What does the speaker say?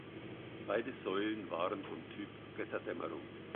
Beide Säulen waren vom Typ "Götterdämmerung".